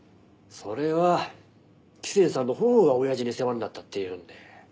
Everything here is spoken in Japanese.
それは喜泉さんの方が親父に世話になったっていうんで。